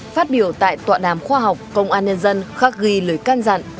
phát biểu tại tọa đàm khoa học công an nhân dân khắc ghi lời can dặn